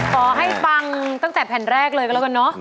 ฟังตั้งแต่แผ่นแรกเลยก็แล้วกันเนอะ